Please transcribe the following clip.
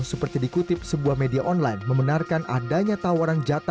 seperti dikutip sebuah media online membenarkan adanya tawaran jatah